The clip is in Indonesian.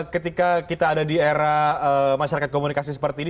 ketika kita ada di era masyarakat komunikasi seperti ini